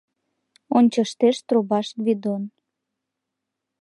Ончыштеш трубаш Гвидон: